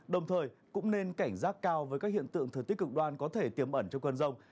đồng thời cũng nên cảnh giác cao với các hiện tượng thực tích cực đoan có thể tiềm ẩn cho quân rông